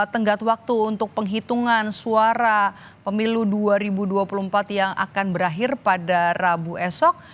tenggat waktu untuk penghitungan suara pemilu dua ribu dua puluh empat yang akan berakhir pada rabu esok